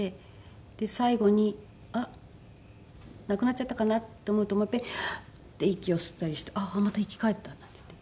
で最期にあっ亡くなっちゃったかな？って思うともういっぺんハアって息を吸ったりして「あっまた生き返った」なんていって。